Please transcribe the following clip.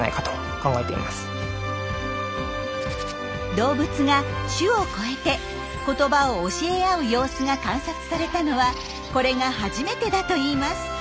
動物が種を超えて言葉を教え合う様子が観察されたのはこれが初めてだといいます。